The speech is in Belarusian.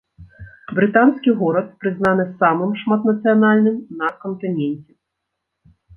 Брытанскі горад прызнаны самым шматнацыянальным на кантыненце.